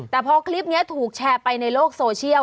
แต่พอคลิปนี้ถูกแชร์ไปในโลกโซเชียล